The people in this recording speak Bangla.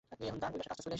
তিনি সর্বজ্ঞ, প্রজ্ঞাময়।